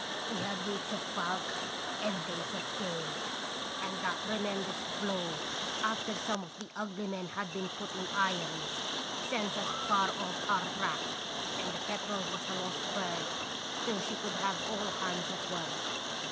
We had weeks of fog and days of gale, and that tremendous blow, after some of the ugly men had been put in irons, sends us far off our track, and the Petrel was a lost bird till she could have all hands at work.